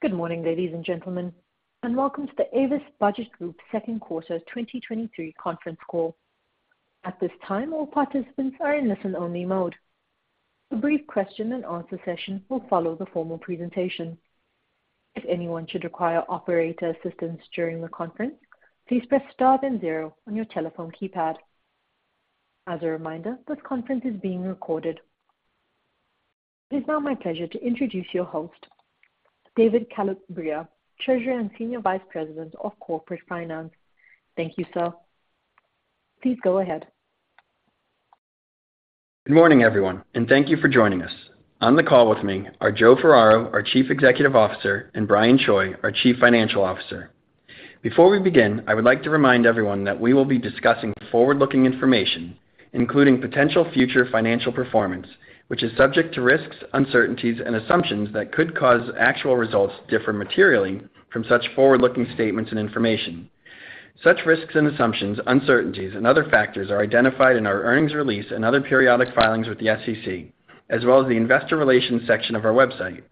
Good morning, ladies and gentlemen, and welcome to the Avis Budget Group Second Quarter 2023 Conference Call. At this time, all participants are in listen-only mode. A brief question-and-answer session will follow the formal presentation. If anyone should require operator assistance during the conference, please press star then zero on your telephone keypad. As a reminder, this conference is being recorded. It is now my pleasure to introduce your host, David Calabria, Treasurer and Senior Vice President of Corporate Finance. Thank you, sir. Please go ahead. Good morning, everyone, and thank you for joining us. On the call with me are Joe Ferraro, our Chief Executive Officer, and Brian Choi, our Chief Financial Officer. Before we begin, I would like to remind everyone that we will be discussing forward-looking information, including potential future financial performance, which is subject to risks, uncertainties, and assumptions that could cause actual results to differ materially from such forward-looking statements and information. Such risks and assumptions, uncertainties and other factors are identified in our earnings release and other periodic filings with the SEC, as well as the investor relations section of our website.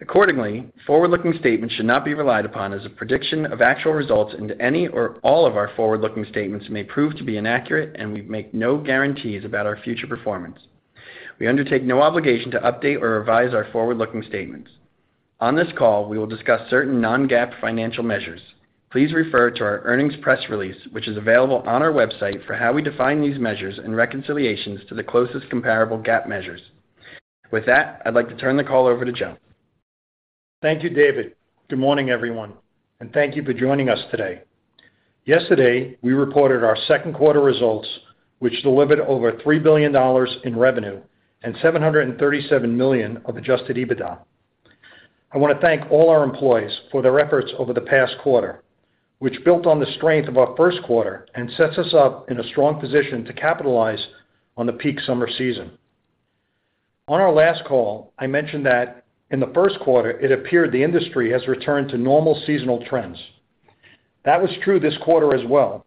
Accordingly, forward-looking statements should not be relied upon as a prediction of actual results, and any or all of our forward-looking statements may prove to be inaccurate, and we make no guarantees about our future performance. We undertake no obligation to update or revise our forward-looking statements. On this call, we will discuss certain non-GAAP financial measures. Please refer to our earnings press release, which is available on our website, for how we define these measures and reconciliations to the closest comparable GAAP measures. With that, I'd like to turn the call over to Joe. Thank you, David. Good morning, everyone, and thank you for joining us today. Yesterday, we reported our second quarter results, which delivered over $3 billion in revenue and $737 million of adjusted EBITDA. I want to thank all our employees for their efforts over the past quarter, which built on the strength of our first quarter and sets us up in a strong position to capitalize on the peak summer season. On our last call, I mentioned that in the first quarter, it appeared the industry has returned to normal seasonal trends. That was true this quarter as well,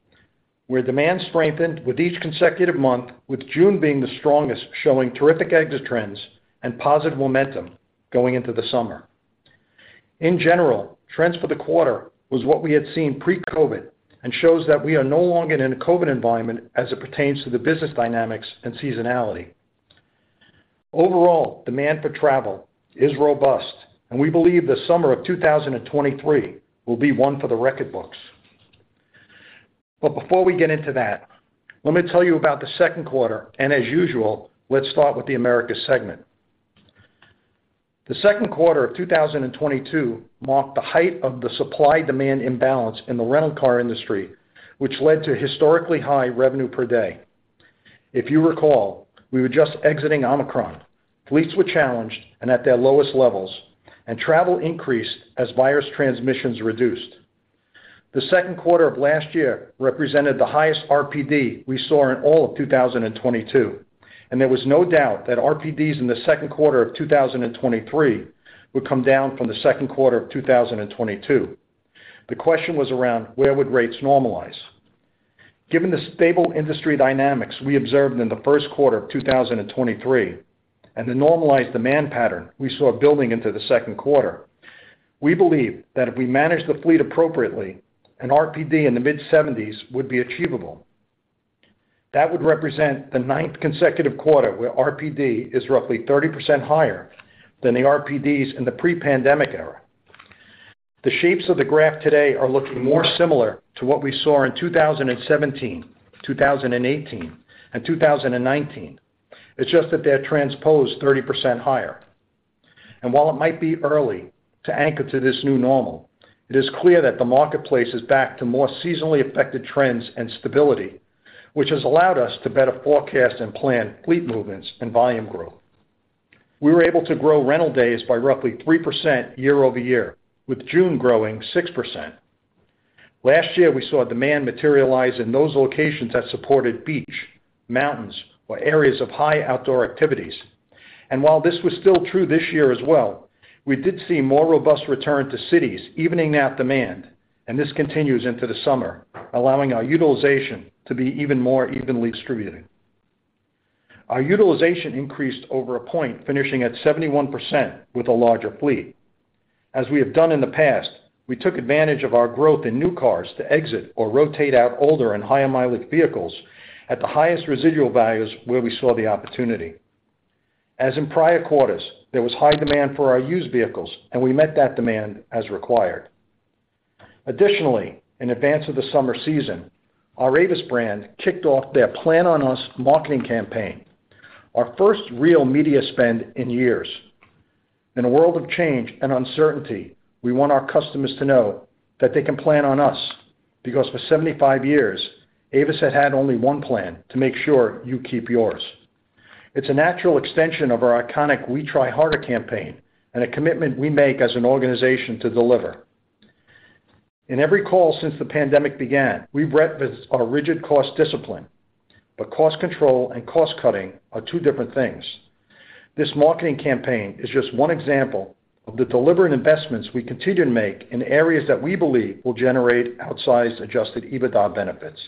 where demand strengthened with each consecutive month, with June being the strongest, showing terrific exit trends and positive momentum going into the summer. In general, trends for the quarter was what we had seen pre-COVID, and shows that we are no longer in a COVID environment as it pertains to the business dynamics and seasonality. Overall, demand for travel is robust, and we believe the summer of 2023 will be one for the record books. Before we get into that, let me tell you about the second quarter, and as usual, let's start with the Americas segment. The second quarter of 2022 marked the height of the supply-demand imbalance in the rental car industry, which led to historically high revenue per day. If you recall, we were just exiting Omicron. Fleets were challenged and at their lowest levels, and travel increased as virus transmissions reduced. The second quarter of last year represented the highest RPD we saw in all of 2022, and there was no doubt that RPDs in the second quarter of 2023 would come down from the second quarter of 2022. The question was around: where would rates normalize? Given the stable industry dynamics we observed in the first quarter of 2023, and the normalized demand pattern we saw building into the second quarter, we believe that if we manage the fleet appropriately, an RPD in the mid-70s would be achievable. That would represent the ninth consecutive quarter where RPD is roughly 30% higher than the RPDs in the pre-pandemic era. The shapes of the graph today are looking more similar to what we saw in 2017, 2018, and 2019. It's just that they're transposed 30% higher. While it might be early to anchor to this new normal, it is clear that the marketplace is back to more seasonally affected trends and stability, which has allowed us to better forecast and plan fleet movements and volume growth. We were able to grow rental days by roughly 3% year-over-year, with June growing 6%. Last year, we saw demand materialize in those locations that supported beach, mountains, or areas of high outdoor activities. While this was still true this year as well, we did see more robust return to cities, evening out demand, and this continues into the summer, allowing our utilization to be even more evenly distributed. Our utilization increased over a point, finishing at 71% with a larger fleet. As we have done in the past, we took advantage of our growth in new cars to exit or rotate out older and higher-mileage vehicles at the highest residual values where we saw the opportunity. As in prior quarters, there was high demand for our used vehicles, and we met that demand as required. Additionally, in advance of the summer season, our Avis brand kicked off their Plan On Us marketing campaign, our first real media spend in years. In a world of change and uncertainty, we want our customers to know that they can plan on us, because for 75 years, Avis has had only one plan: to make sure you keep yours. It's a natural extension of our iconic We Try Harder campaign and a commitment we make as an organization to deliver. In every call since the pandemic began, we've reaped with our rigid cost discipline. Cost control and cost-cutting are two different things. This marketing campaign is just one example of the deliberate investments we continue to make in areas that we believe will generate outsized, adjusted EBITDA benefits.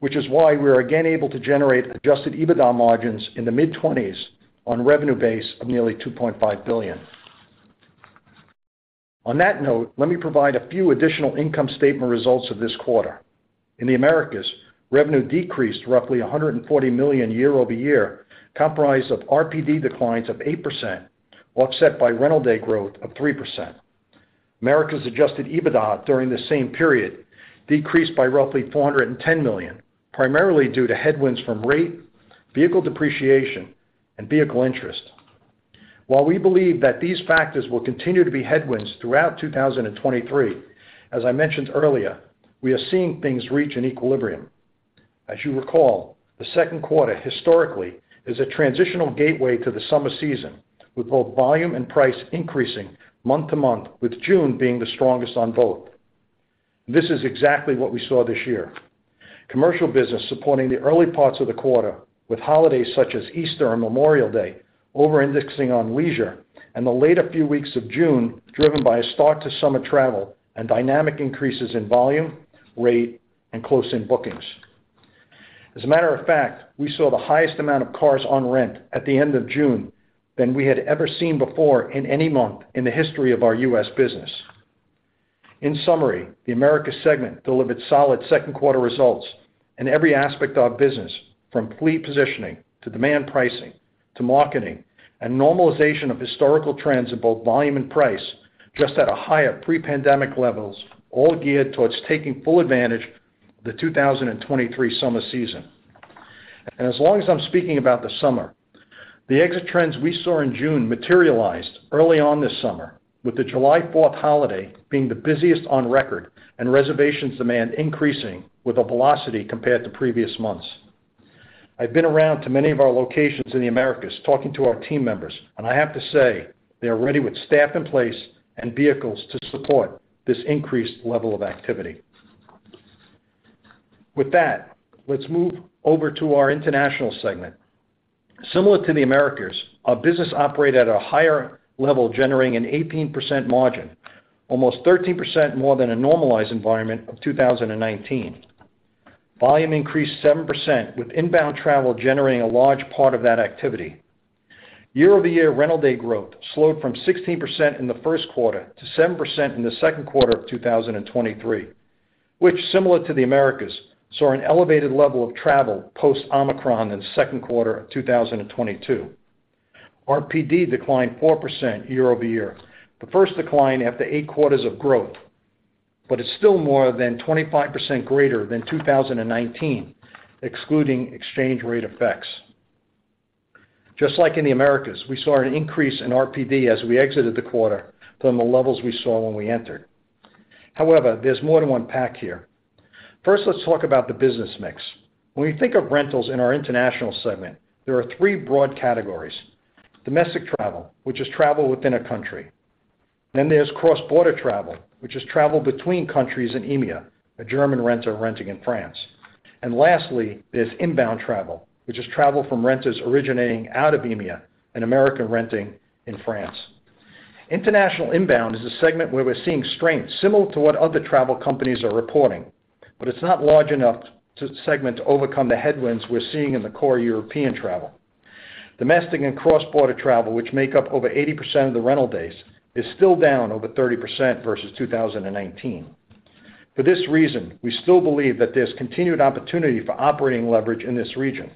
Which is why we are again able to generate adjusted EBITDA margins in the mid-20s on revenue base of nearly $2.5 billion. On that note, let me provide a few additional income statement results of this quarter. In the Americas, revenue decreased roughly $140 million year-over-year, comprised of RPD declines of 8%, offset by rental day growth of 3%. Americas adjusted EBITDA during the same period decreased by roughly $410 million, primarily due to headwinds from rate, vehicle depreciation, and vehicle interest. While we believe that these factors will continue to be headwinds throughout 2023, as I mentioned earlier, we are seeing things reach an equilibrium. As you recall, the second quarter historically, is a transitional gateway to the summer season, with both volume and price increasing month-to-month, with June being the strongest on both. This is exactly what we saw this year. Commercial business supporting the early parts of the quarter, with holidays such as Easter and Memorial Day, over-indexing on leisure, and the later few weeks of June, driven by a start to summer travel and dynamic increases in volume, rate, and close in bookings. As a matter of fact, we saw the highest amount of cars on rent at the end of June than we had ever seen before in any month in the history of our U.S. business. In summary, the Americas segment delivered solid second quarter results in every aspect of our business, from fleet positioning to demand pricing, to marketing, and normalization of historical trends in both volume and price, just at a higher pre-pandemic levels, all geared towards taking full advantage of the 2023 summer season. As long as I'm speaking about the summer, the exit trends we saw in June materialized early on this summer, with the July Fourth holiday being the busiest on record, and reservations demand increasing with a velocity compared to previous months. I've been around to many of our locations in the Americas, talking to our team members, and I have to say, they are ready with staff in place and vehicles to support this increased level of activity. With that, let's move over to our international segment. Similar to the Americas, our business operated at a higher level, generating an 18% margin, almost 13% more than a normalized environment of 2019. Volume increased 7%, with inbound travel generating a large part of that activity. Year-over-year rental day growth slowed from 16% in the first quarter to 7% in the second quarter of 2023, which, similar to the Americas, saw an elevated level of travel post-Omicron in the second quarter of 2022. RPD declined 4% year-over-year, the first decline after eight quarters of growth, it's still more than 25% greater than 2019, excluding exchange rate effects. Just like in the Americas, we saw an increase in RPD as we exited the quarter from the levels we saw when we entered. There's more to unpack here. Let's talk about the business mix. When we think of rentals in our international segment, there are three broad categories: domestic travel, which is travel within a country, there's cross-border travel, which is travel between countries in EMEA, a German renter renting in France. Lastly, there's inbound travel, which is travel from renters originating out of EMEA, an American renting in France. International inbound is a segment where we're seeing strength similar to what other travel companies are reporting, but it's not large enough segment to overcome the headwinds we're seeing in the core European travel. Domestic and cross-border travel, which make up over 80% of the rental days, is still down over 30% versus 2019. For this reason, we still believe that there's continued opportunity for operating leverage in this region.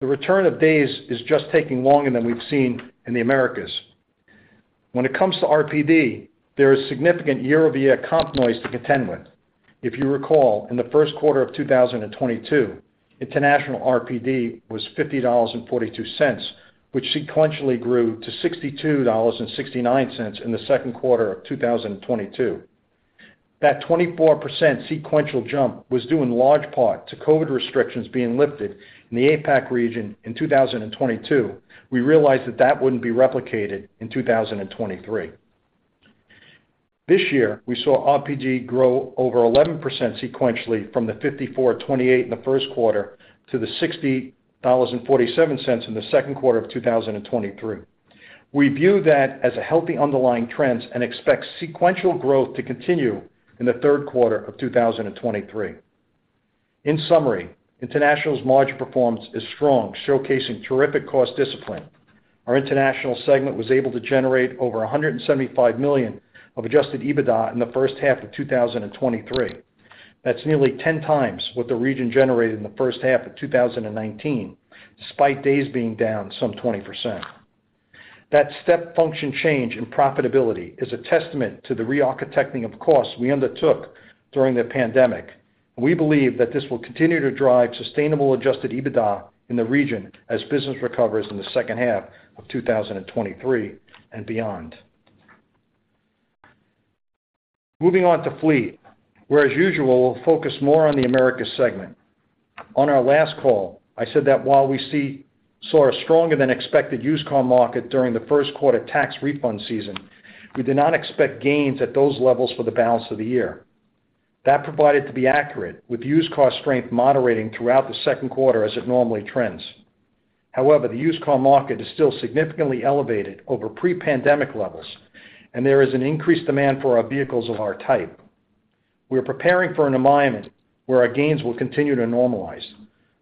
The return of days is just taking longer than we've seen in the Americas. When it comes to RPD, there is significant year-over-year comp noise to contend with. If you recall, in the first quarter of 2022, international RPD was $50.42, which sequentially grew to $62.69 in the second quarter of 2022. That 24% sequential jump was due in large part to COVID restrictions being lifted in the APAC region in 2022. We realized that that wouldn't be replicated in 2023. This year, we saw RPD grow over 11% sequentially from the $54.28 in the first quarter to the $60.47 in the second quarter of 2023. We view that as a healthy underlying trends and expect sequential growth to continue in the third quarter of 2023. In summary, international's margin performance is strong, showcasing terrific cost discipline. Our international segment was able to generate over $175 million of adjusted EBITDA in the first half of 2023. That's nearly 10x what the region generated in the first half of 2019, despite days being down some 20%. That step function change in profitability is a testament to the re-architecting of costs we undertook during the pandemic. We believe that this will continue to drive sustainable adjusted EBITDA in the region as business recovers in the second half of 2023 and beyond. Moving on to fleet, where, as usual, we'll focus more on the Americas segment. On our last call, I said that while we saw a stronger than expected used car market during the first quarter tax refund season, we did not expect gains at those levels for the balance of the year. That provided to be accurate, with used car strength moderating throughout the second quarter as it normally trends. However, the used car market is still significantly elevated over pre-pandemic levels, and there is an increased demand for our vehicles of our type. We are preparing for an environment where our gains will continue to normalize.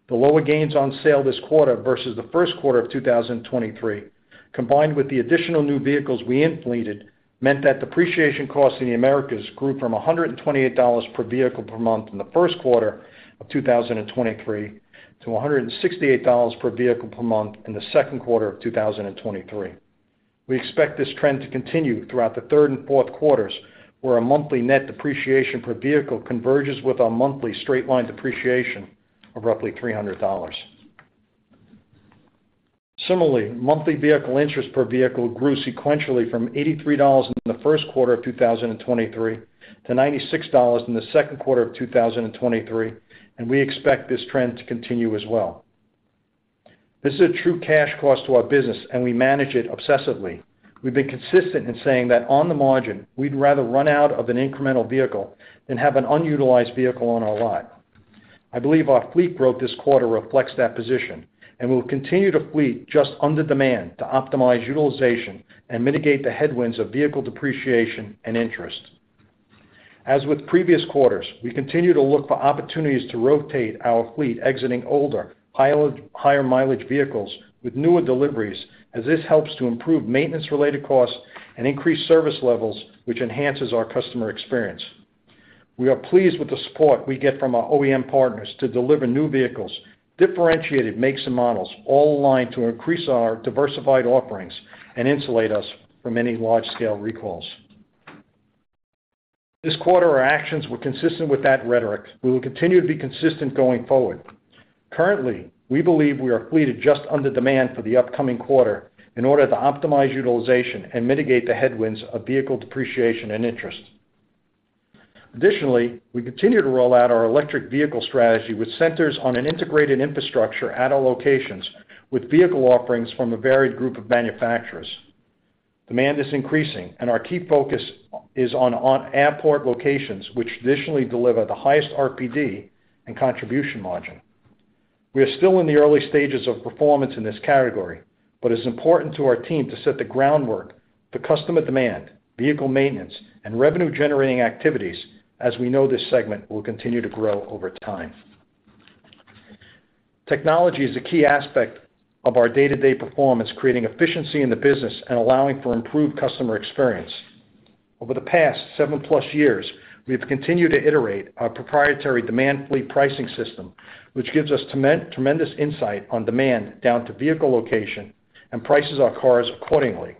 The lower gains on sale this quarter versus the first quarter of 2023, combined with the additional new vehicles we infleeted, meant that depreciation costs in the Americas grew from $128 per vehicle per month in the first quarter of 2023, to $168 per vehicle per month in the second quarter of 2023. We expect this trend to continue throughout the third and fourth quarters, where our monthly net depreciation per vehicle converges with our monthly straight-line depreciation of roughly $300. Similarly, monthly vehicle interest per vehicle grew sequentially from $83 in the first quarter of 2023 to $96 in the second quarter of 2023, and we expect this trend to continue as well. This is a true cash cost to our business, and we manage it obsessively. We've been consistent in saying that on the margin, we'd rather run out of an incremental vehicle than have an unutilized vehicle on our lot. I believe our fleet growth this quarter reflects that position, and we'll continue to fleet just under demand to optimize utilization and mitigate the headwinds of vehicle depreciation and interest. As with previous quarters, we continue to look for opportunities to rotate our fleet, exiting older, higher, higher mileage vehicles with newer deliveries, as this helps to improve maintenance-related costs and increase service levels, which enhances our customer experience. We are pleased with the support we get from our OEM partners to deliver new vehicles, differentiated makes and models, all aligned to increase our diversified offerings and insulate us from any large-scale recalls. This quarter, our actions were consistent with that rhetoric. We will continue to be consistent going forward. Currently, we believe we are fleeted just under demand for the upcoming quarter in order to optimize utilization and mitigate the headwinds of vehicle depreciation and interest. Additionally, we continue to roll out our electric vehicle strategy, which centers on an integrated infrastructure at our locations, with vehicle offerings from a varied group of manufacturers. Demand is increasing, and our key focus is on airport locations, which traditionally deliver the highest RPD and contribution margin. We are still in the early stages of performance in this category, but it's important to our team to set the groundwork for customer demand, vehicle maintenance, and revenue-generating activities, as we know this segment will continue to grow over time. Technology is a key aspect of our day-to-day performance, creating efficiency in the business and allowing for improved customer experience. Over the past seven plus years, we've continued to iterate our proprietary demand fleet pricing system, which gives us tremendous insight on demand down to vehicle location and prices our cars accordingly.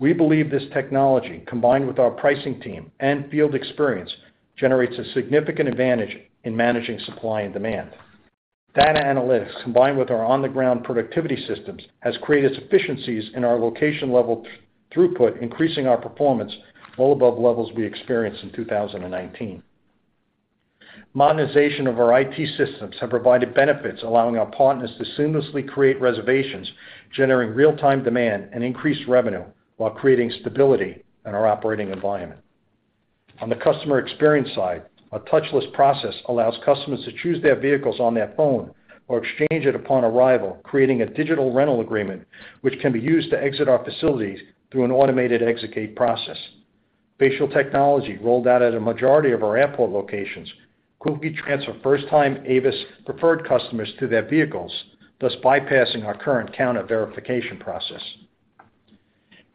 We believe this technology, combined with our pricing team and field experience, generates a significant advantage in managing supply and demand. Data analytics, combined with our on-the-ground productivity systems, has created efficiencies in our location-level throughput, increasing our performance well above levels we experienced in 2019. Modernization of our IT systems have provided benefits, allowing our partners to seamlessly create reservations, generating real-time demand and increased revenue, while creating stability in our operating environment. On the customer experience side, our touchless process allows customers to choose their vehicles on their phone or exchange it upon arrival, creating a digital rental agreement, which can be used to exit our facilities through an automated exit gate process. Facial technology, rolled out at a majority of our airport locations, quickly transfer first-time Avis Preferred customers to their vehicles, thus bypassing our current counter verification process.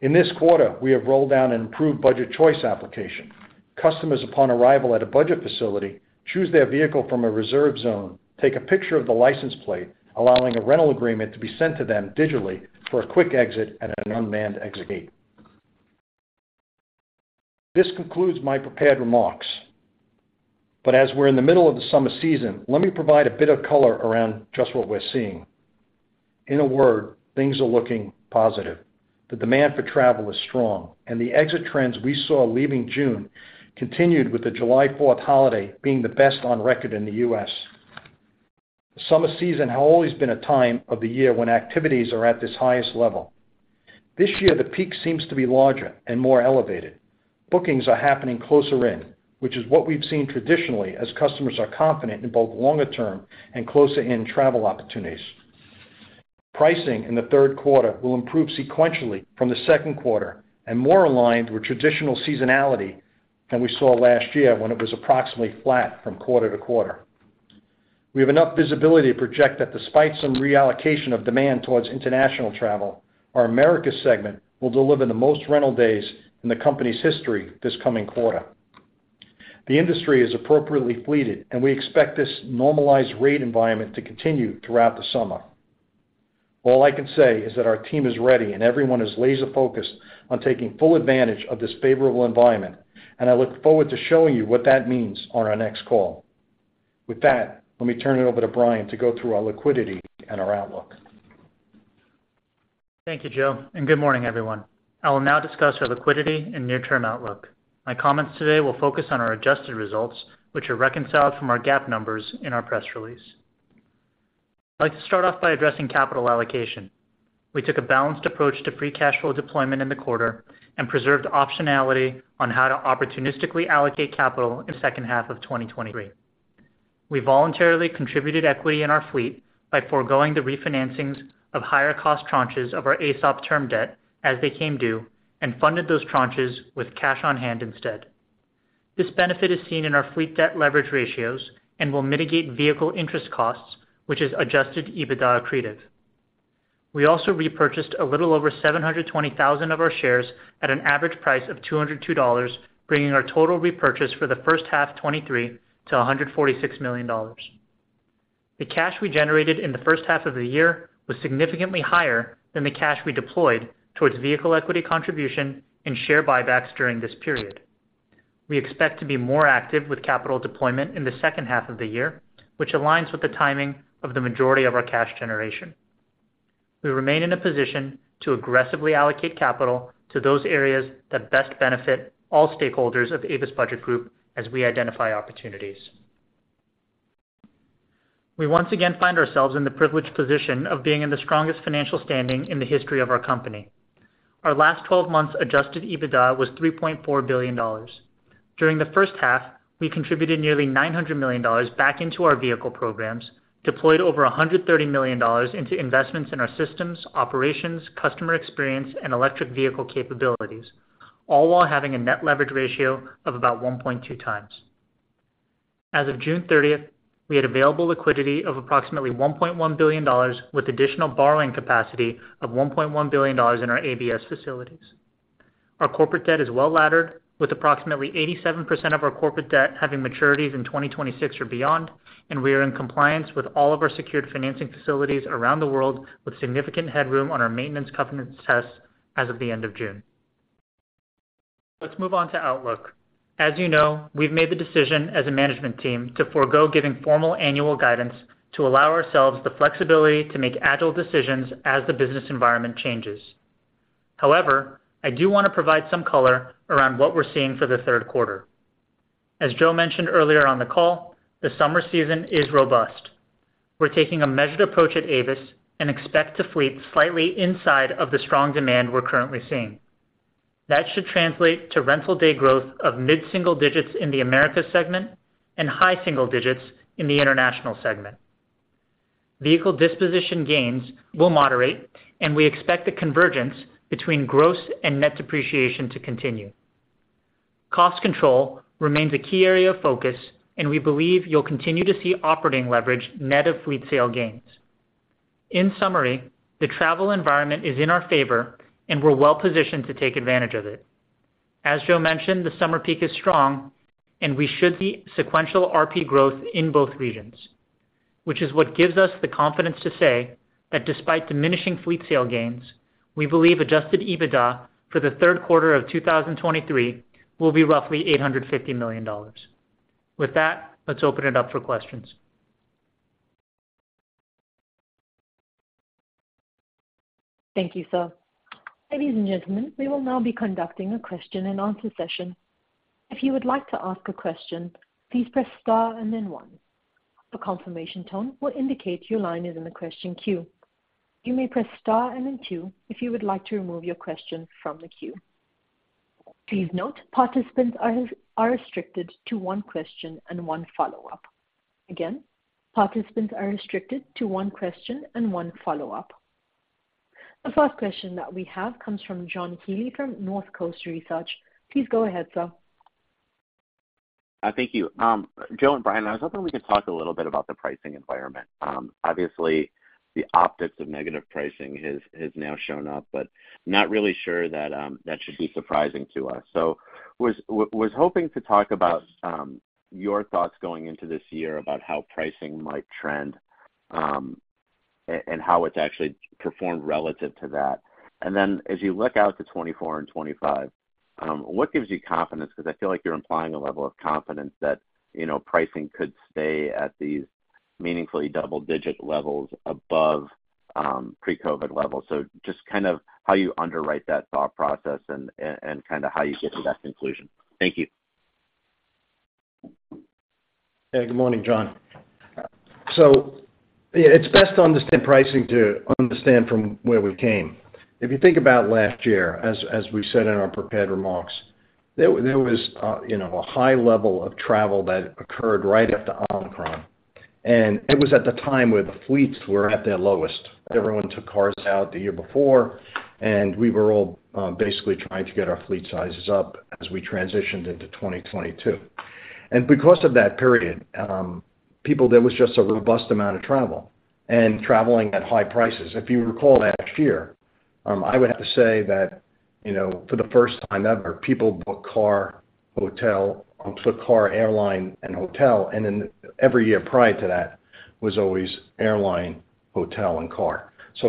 In this quarter, we have rolled out an improved Budget Choice application. Customers, upon arrival at a Budget facility, choose their vehicle from a reserve zone, take a picture of the license plate, allowing a rental agreement to be sent to them digitally for a quick exit at an unmanned exit gate. This concludes my prepared remarks, but as we're in the middle of the summer season, let me provide a bit of color around just what we're seeing. In a word, things are looking positive. The demand for travel is strong, and the exit trends we saw leaving June continued with the July Fourth holiday being the best on record in the U.S. The summer season has always been a time of the year when activities are at this highest level. This year, the peak seems to be larger and more elevated. Bookings are happening closer in, which is what we've seen traditionally as customers are confident in both longer-term and closer-in travel opportunities. Pricing in the third quarter will improve sequentially from the second quarter and more aligned with traditional seasonality than we saw last year, when it was approximately flat from quarter to quarter. We have enough visibility to project that despite some reallocation of demand towards international travel, our Americas segment will deliver the most rental days in the company's history this coming quarter. The industry is appropriately fleeted, and we expect this normalized rate environment to continue throughout the summer. All I can say is that our team is ready, and everyone is laser-focused on taking full advantage of this favorable environment, and I look forward to showing you what that means on our next call. With that, let me turn it over to Brian to go through our liquidity and our outlook. Thank you, Joe. Good morning, everyone. I will now discuss our liquidity and near-term outlook. My comments today will focus on our adjusted results, which are reconciled from our GAAP numbers in our press release. I'd like to start off by addressing capital allocation. We took a balanced approach to free cash flow deployment in the quarter and preserved optionality on how to opportunistically allocate capital in second half of 2023. We voluntarily contributed equity in our fleet by foregoing the refinancings of higher cost tranches of our AESOP term debt as they came due, and funded those tranches with cash on hand instead. This benefit is seen in our fleet debt leverage ratios and will mitigate vehicle interest costs, which is adjusted EBITDA accretive. We also repurchased a little over 720,000 of our shares at an average price of $202, bringing our total repurchase for the first half 2023 to $146 million. The cash we generated in the first half of the year was significantly higher than the cash we deployed towards vehicle equity contribution and share buybacks during this period. We expect to be more active with capital deployment in the second half of the year, which aligns with the timing of the majority of our cash generation. We remain in a position to aggressively allocate capital to those areas that best benefit all stakeholders of Avis Budget Group as we identify opportunities. We once again find ourselves in the privileged position of being in the strongest financial standing in the history of our company. Our last 12 months adjusted EBITDA was $3.4 billion. During the first half, we contributed nearly $900 million back into our vehicle programs, deployed over $130 million into investments in our systems, operations, customer experience, and electric vehicle capabilities, all while having a net leverage ratio of about 1.2x. As of June 30th, we had available liquidity of approximately $1.1 billion, with additional borrowing capacity of $1.1 billion in our ABS facilities. Our corporate debt is well-laddered, with approximately 87% of our corporate debt having maturities in 2026 or beyond. We are in compliance with all of our secured financing facilities around the world, with significant headroom on our maintenance covenant tests as of the end of June. Let's move on to outlook. As you know, we've made the decision as a management team to forego giving formal annual guidance to allow ourselves the flexibility to make agile decisions as the business environment changes. I do want to provide some color around what we're seeing for the third quarter. As Joe mentioned earlier on the call, the summer season is robust. We're taking a measured approach at Avis and expect to fleet slightly inside of the strong demand we're currently seeing. That should translate to rental-day growth of mid-single digits in the Americas segment and high-single digits in the International segment. Vehicle disposition gains will moderate, and we expect the convergence between gross and net depreciation to continue. Cost control remains a key area of focus, and we believe you'll continue to see operating leverage net of fleet sale gains. In summary, the travel environment is in our favor, and we're well positioned to take advantage of it. As Joe mentioned, the summer peak is strong, and we should see sequential RP growth in both regions, which is what gives us the confidence to say that despite diminishing fleet sale gains, we believe adjusted EBITDA for the third quarter of 2023 will be roughly $850 million. With that, let's open it up for questions. Thank you, sir. Ladies and gentlemen, we will now be conducting a question-and-answer session. If you would like to ask a question, please press star and then one. A confirmation tone will indicate your line is in the question queue. You may press star and then two if you would like to remove your question from the queue. Please note, participants are restricted to one question and one follow-up. Again, participants are restricted to one question and one follow-up. The first question that we have comes from John Healy from Northcoast Research. Please go ahead, sir. Thank you. Joe and Brian, I was hoping we could talk a little bit about the pricing environment. Obviously, the optics of negative pricing has, has now shown up, but not really sure that that should be surprising to us. Was hoping to talk about your thoughts going into this year about how pricing might trend and how it's actually performed relative to that. As you look out to 2024 and 2025, what gives you confidence? Because I feel like you're implying a level of confidence that, you know, pricing could stay at these meaningfully double-digit levels above pre-COVID levels. Just kind of how you underwrite that thought process and kinda how you get to that conclusion. Thank you. Yeah, good morning, John. It's best to understand pricing to understand from where we came. If you think about last year, as, as we said in our prepared remarks, there, there was, you know, a high level of travel that occurred right after Omicron. It was at the time where the fleets were at their lowest. Everyone took cars out the year before, and we were all basically trying to get our fleet sizes up as we transitioned into 2022. Because of that period, people. There was just a robust amount of travel and traveling at high prices. If you recall last year, I would have to say that, you know, for the first time ever, people booked car, hotel, booked car, airline, and hotel, and then every year prior to that was always airline, hotel, and car.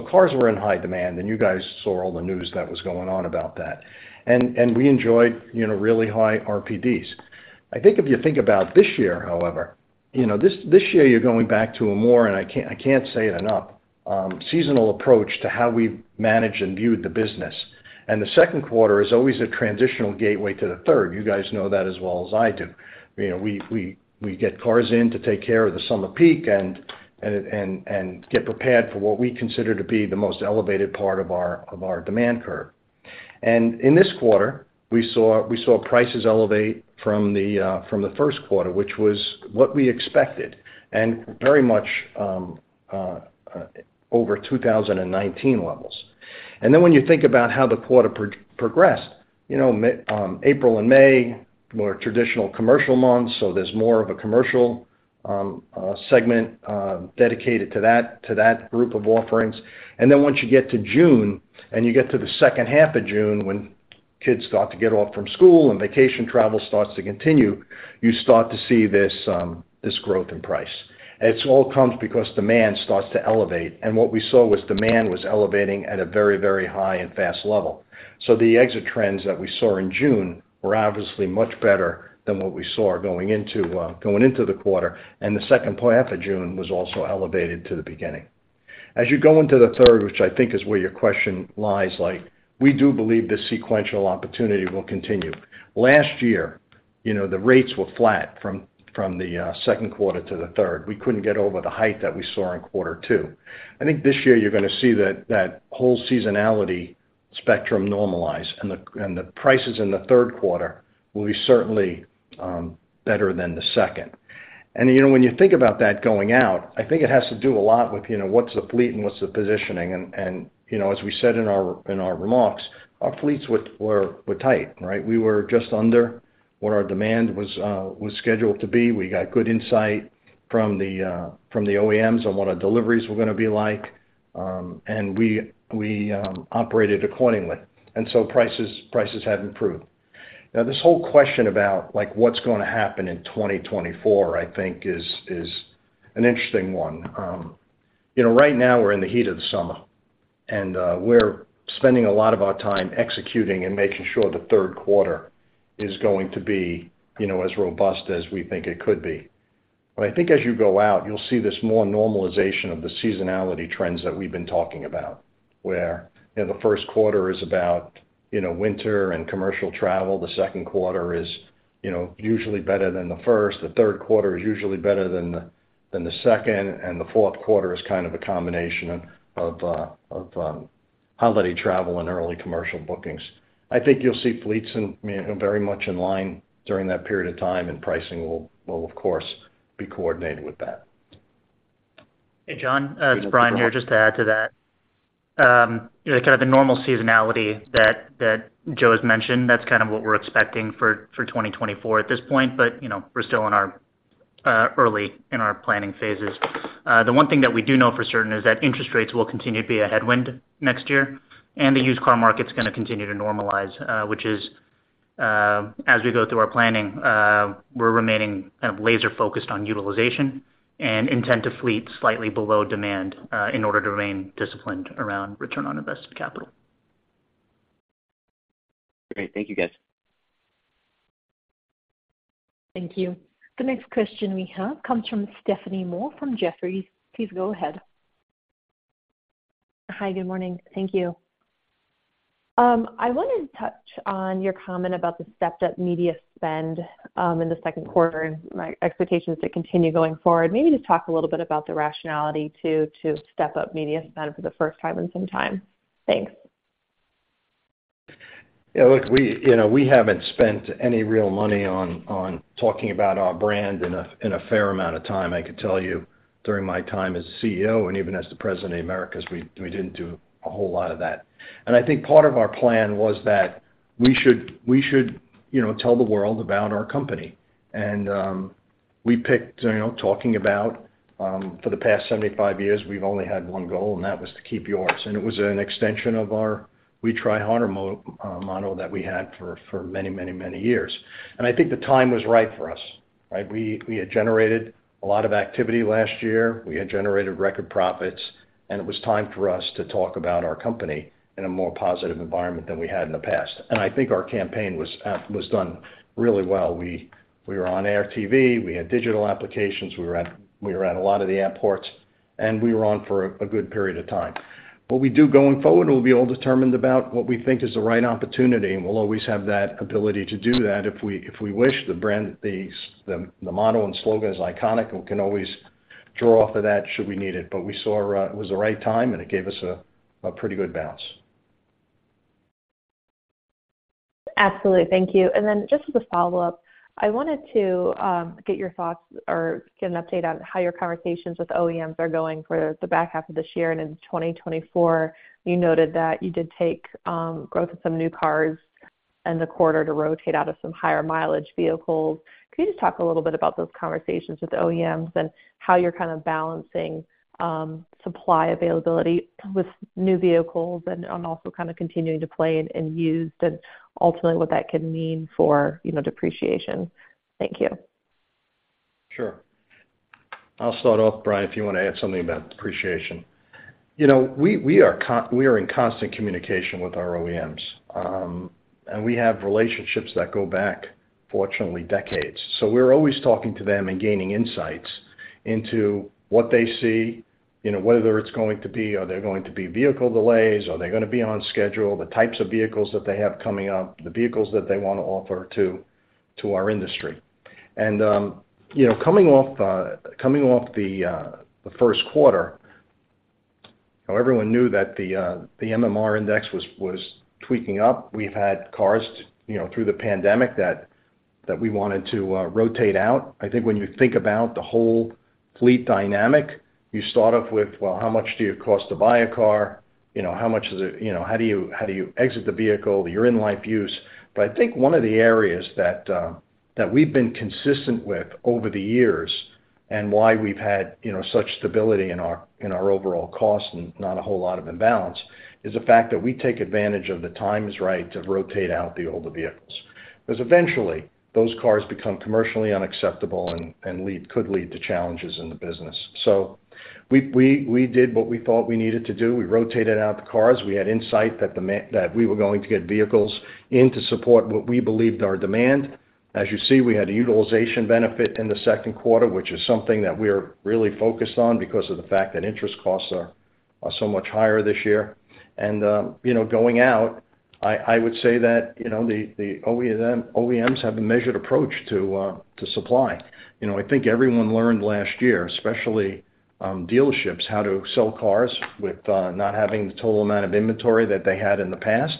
Cars were in high demand, and you guys saw all the news that was going on about that. We enjoyed, you know, really high RPDs. I think if you think about this year, however, you know, this, this year you're going back to a more, and I can't, I can't say it enough, seasonal approach to how we've managed and viewed the business. The second quarter is always a transitional gateway to the third. You guys know that as well as I do. You know, we get cars in to take care of the summer peak and get prepared for what we consider to be the most elevated part of our demand curve. In this quarter, we saw, we saw prices elevate from the from the first quarter, which was what we expected, and very much over 2019 levels. When you think about how the quarter progressed, you know, mid April and May, more traditional commercial months, so there's more of a commercial segment dedicated to that, to that group of offerings. Once you get to June, and you get to the second half of June, when kids start to get off from school and vacation travel starts to continue, you start to see this growth in price. It's all comes because demand starts to elevate. What we saw was demand was elevating at a very, very high and fast level. The exit trends that we saw in June were obviously much better than what we saw going into, going into the quarter, the second half of June was also elevated to the beginning. As you go into the third, which I think is where your question lies, like, we do believe this sequential opportunity will continue. Last year, you know, the rates were flat from, from the second quarter to the third. We couldn't get over the height that we saw in quarter two. I think this year you're gonna see that, that whole seasonality spectrum normalize, and the, and the prices in the third quarter will be certainly better than the second. You know, when you think about that going out, I think it has to do a lot with, you know, what's the fleet and what's the positioning? And, you know, as we said in our remarks, our fleets were, were, were tight, right? We were just under what our demand was scheduled to be. We got good insight from the OEMs on what our deliveries were gonna be like, and we, we, operated accordingly, and so prices, prices have improved. Now, this whole question about, like, what's gonna happen in 2024, I think, is, is an interesting one. You know, right now, we're in the heat of the summer, and we're spending a lot of our time executing and making sure the third quarter is going to be, you know, as robust as we think it could be. I think as you go out, you'll see this more normalization of the seasonality trends that we've been talking about, where, you know, the first quarter is about, you know, winter and commercial travel. The second quarter is, you know, usually better than the first. The third quarter is usually better than the, than the second, and the fourth quarter is kind of a combination of holiday travel and early commercial bookings. I think you'll see fleets in, you know, very much in line during that period of time, and pricing will, will, of course, be coordinated with that. Hey, John, it's Brian here. Just to add to that, you know, kind of the normal seasonality that, that Joe has mentioned, that's kind of what we're expecting for 2024 at this point, but, you know, we're still in our early in our planning phases. The one thing that we do know for certain is that interest rates will continue to be a headwind next year, and the used car market's gonna continue to normalize, which is, as we go through our planning, we're remaining kind of laser-focused on utilization and intent to fleet slightly below demand, in order to remain disciplined around return on invested capital. Great. Thank you, guys. Thank you. The next question we have comes from Stephanie Moore from Jefferies. Please go ahead. Hi, good morning. Thank you. I wanted to touch on your comment about the stepped-up media spend in the second quarter, and my expectations to continue going forward. Maybe just talk a little bit about the rationality to, to step up media spend for the first time in some time. Thanks. Yeah, look, we you know, we haven't spent any real money on, on talking about our brand in a, in a fair amount of time. I could tell you during my time as CEO and even as the president of Americas, we, we didn't do a whole lot of that. I think part of our plan was that we should, we should, you know, tell the world about our company. We picked, you know, talking about, for the past 75 years, we've only had one goal, and that was to keep yours. It was an extension of our We Try Harder model that we had for, for many, many, many years. I think the time was right for us, right? We, we had generated a lot of activity last year. We had generated record profits, and it was time for us to talk about our company in a more positive environment than we had in the past. I think our campaign was done really well. We, we were on air TV, we had digital applications, we were at, we were at a lot of the airports, and we were on for a, a good period of time. We do going forward, we'll be all determined about what we think is the right opportunity, and we'll always have that ability to do that if we, if we wish. The brand, the, the motto and slogan is iconic, and we can always draw off of that, should we need it. We saw it was the right time, and it gave us a, a pretty good bounce. Absolutely. Thank you. Then just as a follow-up, I wanted to get your thoughts or get an update on how your conversations with OEMs are going for the back half of this year and in 2024. You noted that you did take growth of some new cars in the quarter to rotate out of some higher-mileage vehicles. Can you just talk a little bit about those conversations with the OEMs and how you're kind of balancing supply availability with new vehicles and, and also kind of continuing to play in used and ultimately what that could mean for, you know, depreciation? Thank you. Sure. I'll start off, Brian, if you want to add something about depreciation. You know, we, we are in constant communication with our OEMs, and we have relationships that go back, fortunately, decades. We're always talking to them and gaining insights into what they see, you know, whether it's going to be. Are there going to be vehicle delays? Are they gonna be on schedule? The types of vehicles that they have coming up, the vehicles that they want to offer to, to our industry. You know, coming off, coming off the, the first quarter. Now everyone knew that the, the MMR index was, was tweaking up. We've had cars, you know, through the pandemic that, that we wanted to, rotate out. I think when you think about the whole fleet dynamic, you start off with, well, how much do you cost to buy a car? You know, how much is it, you know, how do you, how do you exit the vehicle, your in-life use? I think one of the areas that, that we've been consistent with over the years, and why we've had, you know, such stability in our, in our overall cost and not a whole lot of imbalance, is the fact that we take advantage of the time is right to rotate out the older vehicles. Eventually, those cars become commercially unacceptable and lead could lead to challenges in the business. We did what we thought we needed to do. We rotated out the cars. We had insight that we were going to get vehicles in to support what we believed our demand. As you see, we had a utilization benefit in the second quarter, which is something that we are really focused on because of the fact that interest costs are, are so much higher this year. You know, going out, I, I would say that, you know, the OEMs have a measured approach to supply. You know, I think everyone learned last year, especially, dealerships, how to sell cars with not having the total amount of inventory that they had in the past.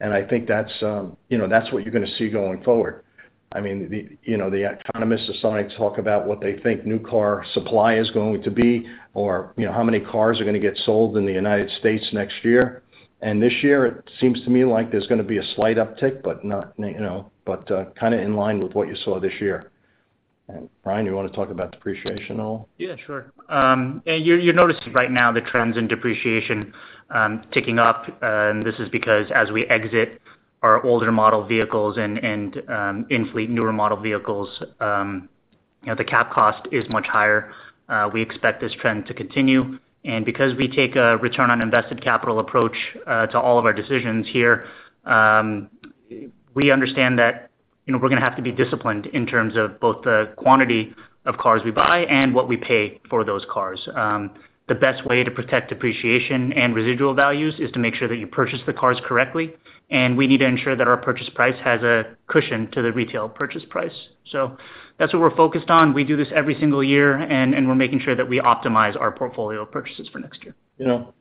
I think that's, you know, that's what you're going to see going forward. I mean, the, you know, the economists are starting to talk about what they think new car supply is going to be, or, you know, how many cars are going to get sold in the United States next year. This year, it seems to me like there's going to be a slight uptick, but not, you know, but, kind of in line with what you saw this year. Brian, you want to talk about depreciation at all? Yeah, sure. You're, you're noticing right now the trends in depreciation ticking up, and this is because as we exit our older model vehicles and, and, infleet, newer model vehicles, you know, the cab cost is much higher. We expect this trend to continue, because we take a return on invested capital approach to all of our decisions here, we understand that, you know, we're going to have to be disciplined in terms of both the quantity of cars we buy and what we pay for those cars. The best way to protect depreciation and residual values is to make sure that you purchase the cars correctly, we need to ensure that our purchase price has a cushion to the retail purchase price. That's what we're focused on. We do this every single year, and, and we're making sure that we optimize our portfolio purchases for next year. You know,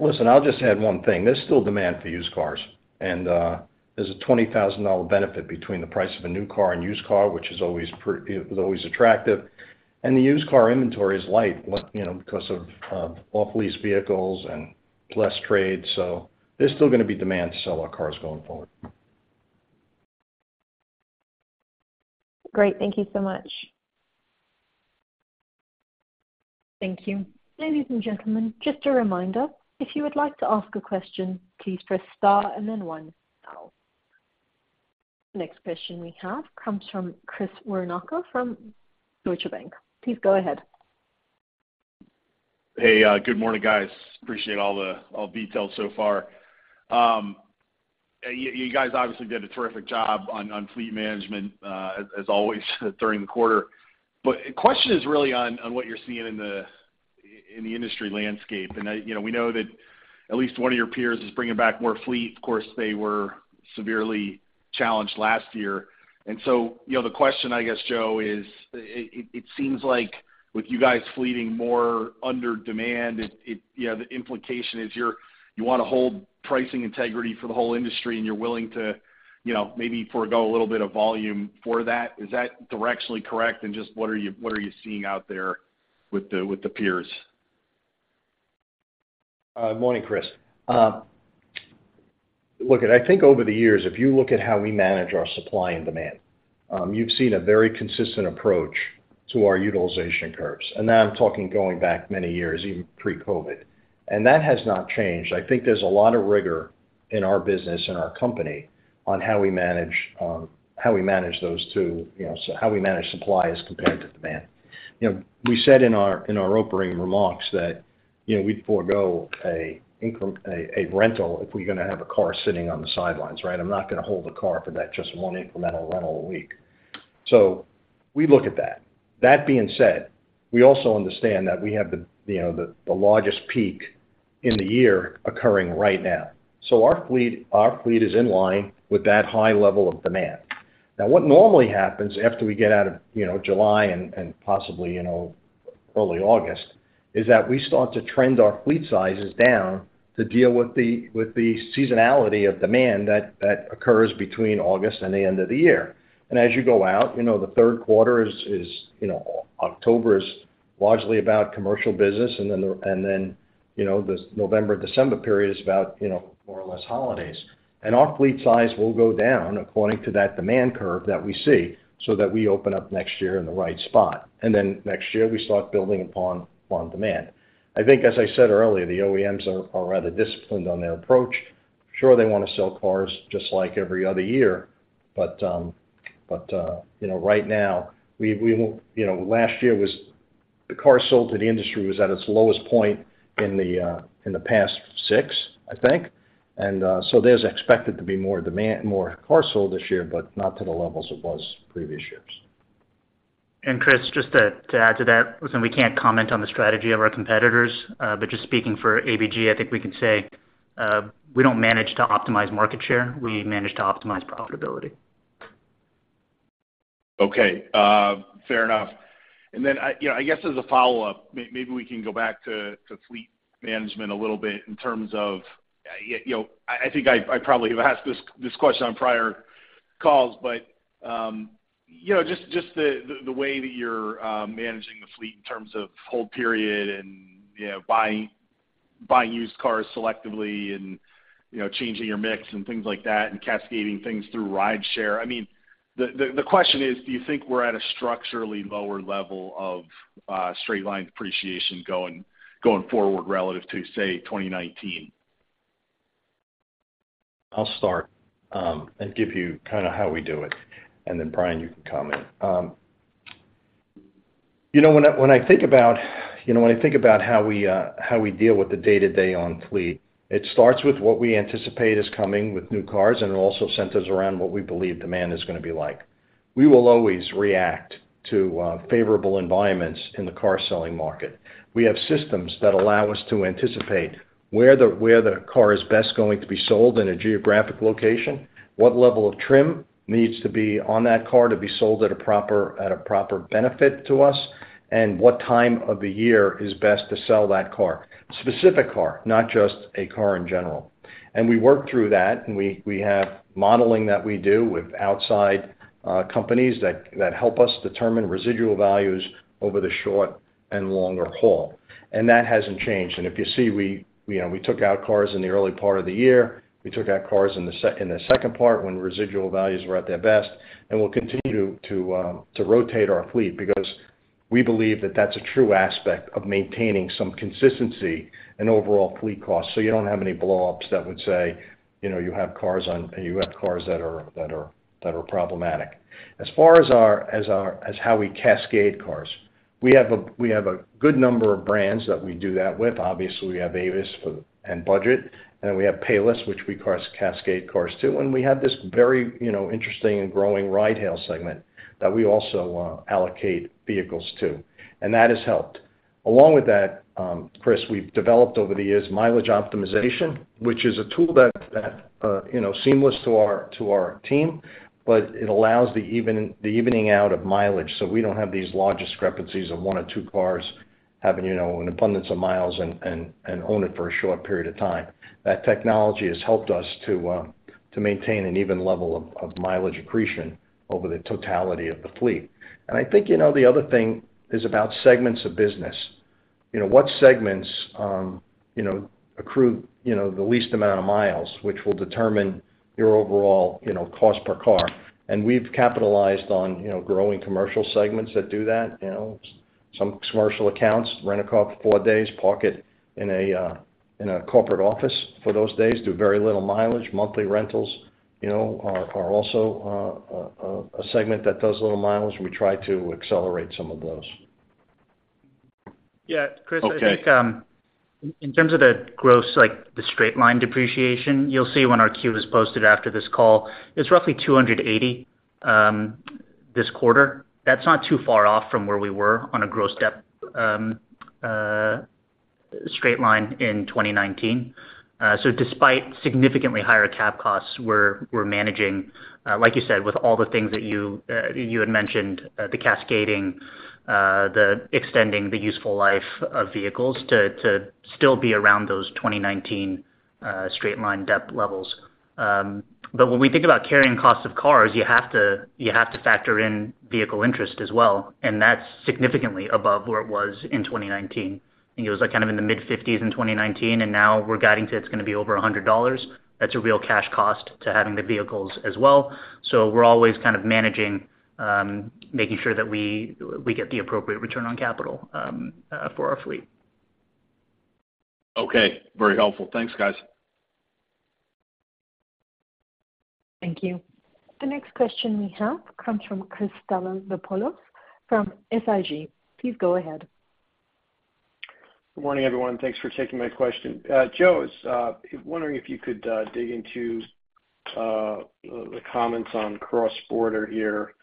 listen, I'll just add one thing. There's still demand for used cars, and there's a $20,000 benefit between the price of a new car and used car, which is always attractive, and the used car inventory is light, you know, because of off-lease vehicles and less trade. There's still going to be demand to sell our cars going forward. Great. Thank you so much. Thank you. Ladies and gentlemen, just a reminder, if you would like to ask a question, please press star and then one. The next question we have comes from Chris Woronka from Deutsche Bank. Please go ahead. Hey, good morning, guys. Appreciate all the, all the details so far. You, you guys obviously did a terrific job on, on fleet management, as always during the quarter. The question is really on, on what you're seeing in the, in the industry landscape. You know, we know that at least one of your peers is bringing back more fleet. Of course, they were severely challenged last year. You know, the question, I guess, Joe, is, it, you know, the implication is you want to hold pricing integrity for the whole industry, and you're willing to, you know, maybe forego a little bit of volume for that. Is that directionally correct? Just what are you, what are you seeing out there with the, with the peers? Morning, Chris. Look, I think over the years, if you look at how we manage our supply and demand, you've seen a very consistent approach to our utilization curves, now I'm talking going back many years, even pre-COVID. That has not changed. I think there's a lot of rigor in our business and our company on how we manage, how we manage those two, you know, how we manage supply as compared to demand. You know, we said in our, in our opening remarks that, you know, we'd forego a rental if we're going to have a car sitting on the sidelines, right? I'm not going to hold a car for that just one incremental rental a week. We look at that. That being said, we also understand that we have the, you know, the, the largest peak in the year occurring right now. Our fleet, our fleet is in line with that high level of demand. What normally happens after we get out of, you know, July and, and possibly, you know, early August, is that we start to trend our fleet sizes down to deal with the, with the seasonality of demand that, that occurs between August and the end of the year. As you go out, you know, the third quarter is, is, you know, October is largely about commercial business, and then and then, you know, the November, December period is about, you know, more or less holidays. Our fleet size will go down according to that demand curve that we see, so that we open up next year in the right spot. Then next year, we start building upon on demand. I think, as I said earlier, the OEMs are rather disciplined on their approach. Sure, they want to sell cars just like every other year, but, you know, right now, we, you know, last year was. The car sold to the industry was at its lowest point in the past six, I think. So there's expected to be more demand, more cars sold this year, but not to the levels it was previous years. Chris, just to, to add to that, listen, we can't comment on the strategy of our competitors, but just speaking for ABG, I think we can say, we don't manage to optimize market share. We manage to optimize profitability. Okay, fair enough. Then I, you know, I guess as a follow-up, may- maybe we can go back to, to fleet management a little bit in terms of, you know, I, I think I, I probably have asked this, this question on prior calls, but, you know, just, just the, the, the way that you're managing the fleet in terms of hold period and, you know, buying, buying used cars selectively and, you know, changing your mix and things like that, and cascading things through rideshare. I mean, the, the, the question is: Do you think we're at a structurally lower level of straight-line depreciation going, going forward relative to, say, 2019? I'll start, and give you kind of how we do it, and then Brian, you can comment. You know, when I, when I think about, you know, when I think about how we, how we deal with the day-to-day on fleet, it starts with what we anticipate is coming with new cars, and it also centers around what we believe demand is going to be like. We will always react to favorable environments in the car-selling market. We have systems that allow us to anticipate where the, where the car is best going to be sold in a geographic location, what level of trim needs to be on that car to be sold at a proper, at a proper benefit to us, and what time of the year is best to sell that car. Specific car, not just a car in general. We work through that, and we, we have modeling that we do with outside companies that, that help us determine residual values over the short and longer haul, and that hasn't changed. If you see, we, you know, we took out cars in the early part of the year. We took out cars in the second part, when residual values were at their best. We'll continue to rotate our fleet because we believe that that's a true aspect of maintaining some consistency in overall fleet costs. You don't have any blow-ups that would say, you know, you have cars that are, that are, that are problematic. As far as our, as our, as how we cascade cars, we have a, we have a good number of brands that we do that with. Obviously, we have Avis and Budget, and we have Payless, which we cascade cars to. We have this very, you know, interesting and growing ride-hail segment that we also allocate vehicles to, and that has helped. Along with that, Chris, we've developed over the years mileage optimization, which is a tool that, that, you know, seamless to our, to our team, but it allows the evening out of mileage, so we don't have these large discrepancies of one or two cars having, you know, an abundance of miles and, and, and own it for a short period of time. That technology has helped us to maintain an even level of, of mileage accretion over the totality of the fleet. I think, you know, the other thing is about segments of business. You know, what segments, you know, accrue, you know, the least amount of miles, which will determine your overall, you know, cost per car. We've capitalized on, you know, growing commercial segments that do that. You know, some commercial accounts rent a car for four days, park it in a, in a corporate office for those days, do very little mileage. Monthly rentals, you know, are, are also, a segment that does little mileage. We try to accelerate some of those. Yeah, Chris. Okay. I think, in terms of the gross, like, the straight-line depreciation, you'll see when our Q is posted after this call, it's roughly $280 this quarter. That's not too far off from where we were on a gross dep straight line in 2019. Despite significantly higher cab costs, we're, we're managing, like you said, with all the things that you had mentioned, the cascading, the extending the useful life of vehicles to, to still be around those 2019 straight-line dep levels. When we think about carrying costs of cars, you have to, you have to factor in vehicle interest as well, and that's significantly above where it was in 2019. I think it was, like, kind of in the mid-50s in 2019, and now we're guiding to it's going to be over $100. That's a real cash cost to having the vehicles as well. We're always kind of managing, making sure that we, we get the appropriate return on capital, for our fleet. Okay. Very helpful. Thanks, guys. Thank you. The next question we have comes from Chris Stathoulopoulos from SIG. Please go ahead. Good morning, everyone. Thanks for taking my question. Joe, is wondering if you could dig into the comments on cross-border here,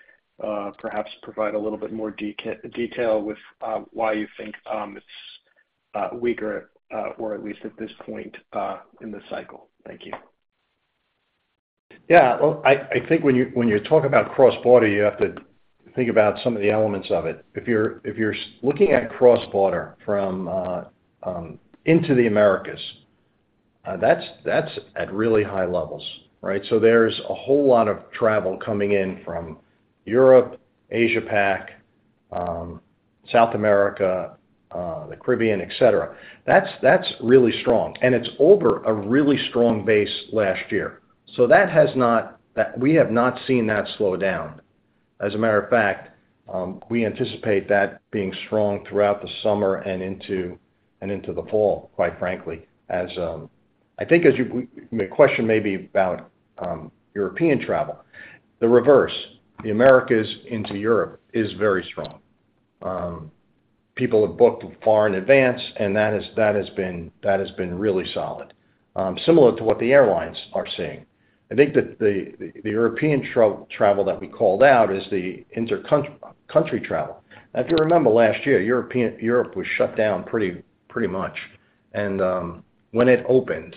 perhaps provide a little bit more detail with why you think it's weaker or at least at this point in the cycle. Thank you. Yeah. Well, I, I think when you, when you talk about cross-border, you have to think about some of the elements of it. If you're, if you're looking at cross-border from, into the Americas, that's, that's at really high levels, right? There's a whole lot of travel coming in from Europe, Asia Pac, South America, the Caribbean, etc. That's, that's really strong, and it's over a really strong base last year. That has not-- that we have not seen that slow down. As a matter of fact, we anticipate that being strong throughout the summer and into, and into the fall, quite frankly, as... I think as the question may be about European travel. The reverse, the Americas into Europe, is very strong. People have booked far in advance, and that has been really solid, similar to what the airlines are seeing. I think that the European travel that we called out is the intercountry travel. If you remember last year, Europe was shut down pretty much. When it opened,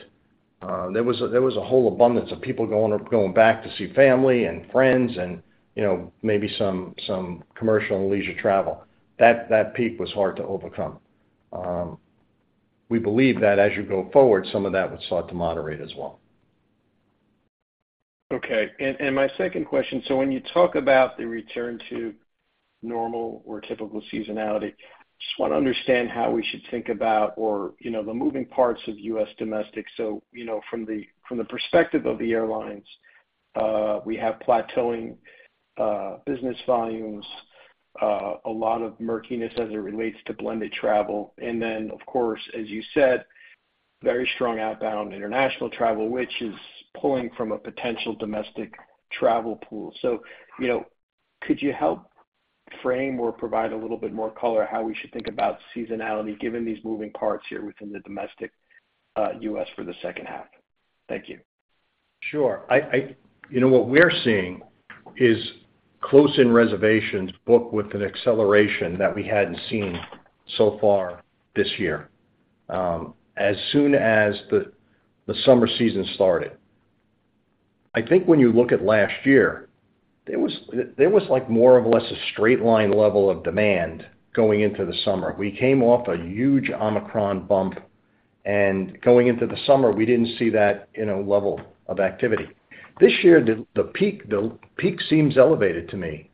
there was a whole abundance of people going back to see family and friends and, you know, maybe some commercial and leisure travel. That peak was hard to overcome. We believe that as you go forward, some of that would start to moderate as well. Okay. My second question, when you talk about the return to normal or typical seasonality, just want to understand how we should think about or, you know, the moving parts of U.S. domestic. You know, from the, from the perspective of the airlines, we have plateauing business volumes, a lot of murkiness as it relates to blended travel. Then, of course, as you said, very strong outbound international travel, which is pulling from a potential domestic travel pool. You know, could you help frame or provide a little bit more color how we should think about seasonality, given these moving parts here within the domestic, U.S. for the second half? Thank you. Sure. You know, what we're seeing is close-in reservations book with an acceleration that we hadn't seen so far this year, as soon as the, the summer season started. I think when you look at last year, there was, there was like more of less a straight line level of demand going into the summer. We came off a huge Omicron bump, and going into the summer, we didn't see that, you know, level of activity. This year, the, the peak, the peak seems elevated to me.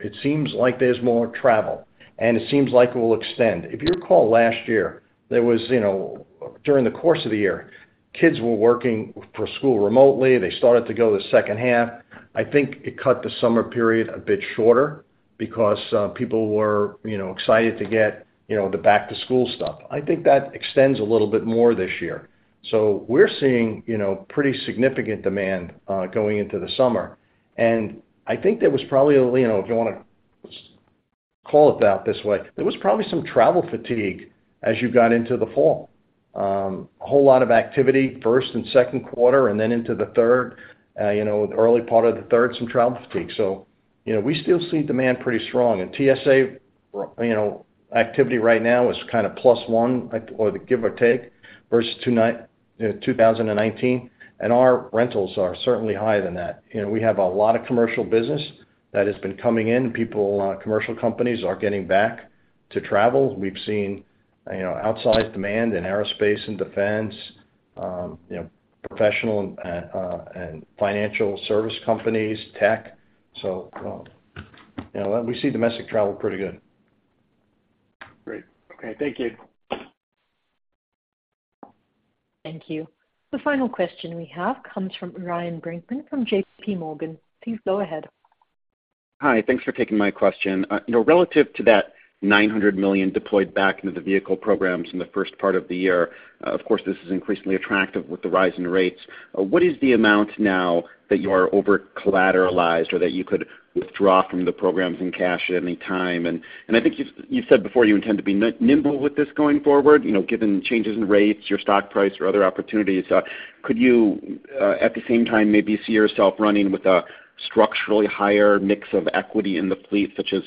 It seems like there's more travel, and it seems like it will extend. If you recall last year, there was, you know, during the course of the year, kids were working for school remotely. They started to go the second half. I think it cut the summer period a bit shorter because people were, you know, excited to get, you know, the back-to-school stuff. I think that extends a little bit more this year. We're seeing, you know, pretty significant demand going into the summer. I think there was probably, you know, if you wanna call it out this way, there was probably some travel fatigue as you got into the fall. A whole lot of activity, first and second quarter, and then into the third, you know, the early part of the third, some travel fatigue. We still see demand pretty strong. TSA, you know, activity right now is kind of plus one, or give or take, versus 2019, and our rentals are certainly higher than that. You know, we have a lot of commercial business that has been coming in. People, commercial companies are getting back to travel. We've seen, you know, outsized demand in aerospace and defense, you know, professional and financial service companies, tech. You know, we see domestic travel pretty good. Great. Okay, thank you. Thank you. The final question we have comes from Ryan Brinkman from J.P. Morgan. Please go ahead. Hi, thanks for taking my question. you know, relative to that $900 million deployed back into the vehicle programs in the first part of the year, of course, this is increasingly attractive with the rise in rates. What is the amount now that you are over-collateralized or that you could withdraw from the programs in cash at any time? I think you've, you've said before, you intend to be nimble with this going forward, you know, given changes in rates, your stock price, or other opportunities. Could you, at the same time, maybe see yourself running with a structurally higher mix of equity in the fleet, such as,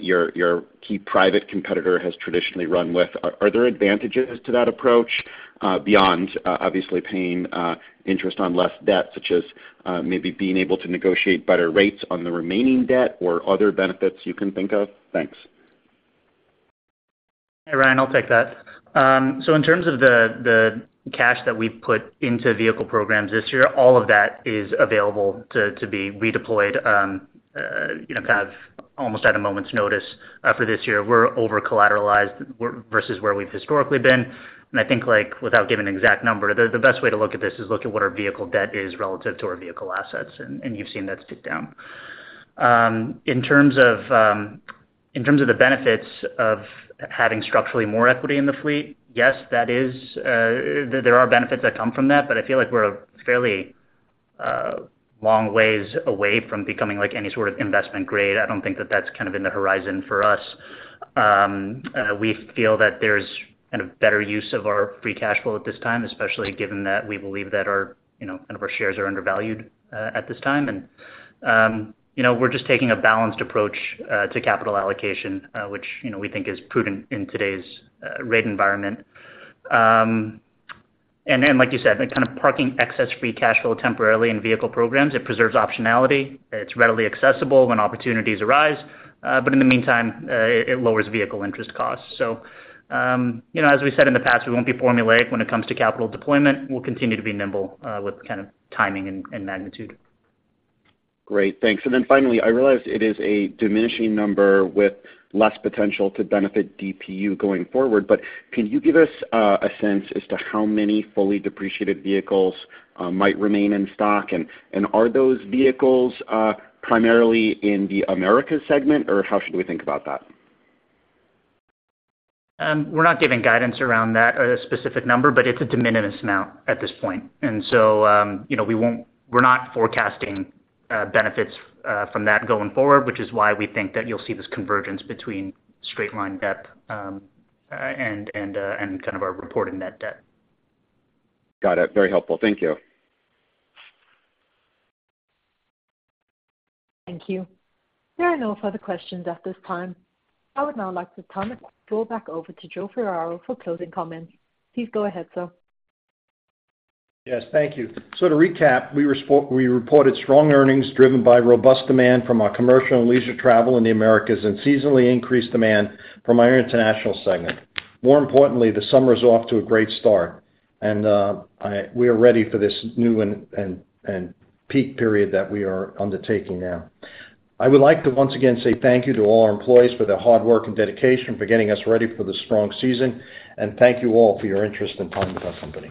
your, your key private competitor has traditionally run with? Are there advantages to that approach, beyond, obviously, paying, interest on less debt, such as, maybe being able to negotiate better rates on the remaining debt or other benefits you can think of? Thanks. Hey, Ryan, I'll take that. So in terms of the, the cash that we've put into vehicle programs this year, all of that is available to, to be redeployed, you know, kind of almost at a moment's notice. For this year, we're over-collateralized versus where we've historically been. I think, like, without giving an exact number, the, the best way to look at this is look at what our vehicle debt is relative to our vehicle assets, and, and you've seen that tick down. In terms of, in terms of the benefits of having structurally more equity in the fleet, yes, that is, there are benefits that come from that, but I feel like we're fairly, long ways away from becoming like any sort of investment grade. I don't think that that's kind of in the horizon for us. We feel that there's kind of better use of our free cash flow at this time, especially given that we believe that our, you know, kind of our shares are undervalued at this time. You know, we're just taking a balanced approach to capital allocation, which, you know, we think is prudent in today's rate environment. Like you said, we're kind of parking excess free cash flow temporarily in vehicle programs. It preserves optionality, it's readily accessible when opportunities arise, but in the meantime, it lowers vehicle interest costs. You know, as we said in the past, we won't be formulaic when it comes to capital deployment. We'll continue to be nimble with kind of timing and, and magnitude. Great. Thanks. Then finally, I realize it is a diminishing number with less potential to benefit DPU going forward, but can you give us a sense as to how many fully depreciated vehicles might remain in stock? And are those vehicles primarily in the Americas segment, or how should we think about that? We're not giving guidance around that, specific number, but it's a de minimis amount at this point. You know, we're not forecasting benefits from that going forward, which is why we think that you'll see this convergence between straight-line dep and, and, and kind of our reported net dep. Got it. Very helpful. Thank you. Thank you. There are no further questions at this time. I would now like to turn the floor back over to Joe Ferraro for closing comments. Please go ahead, sir. Yes, thank you. To recap, we reported strong earnings driven by robust demand from our commercial and leisure travel in the Americas and seasonally increased demand from our international segment. More importantly, the summer's off to a great start, and we are ready for this new and peak period that we are undertaking now. I would like to once again say thank you to all our employees for their hard work and dedication for getting us ready for this strong season. Thank you all for your interest in talking to our company.